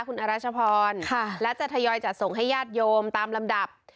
คุณอรัชพรและจะทยอยจัดส่งให้ญาติโยมตามลำดับ